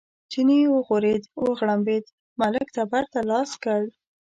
چیني وغورېد، وغړمبېد، ملک تبر ته لاس کړ.